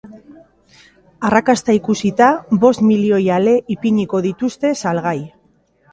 Arrakasta ikusita, bost milioi ale ipiniko dituzte salgai.